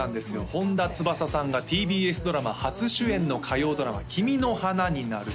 本田翼さんがＴＢＳドラマ初主演の火曜ドラマ「君の花になる」